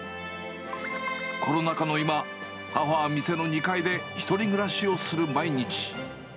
コロナ禍の今、母は店の２階で１人暮らしをする毎日。